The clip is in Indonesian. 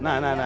nah nah nah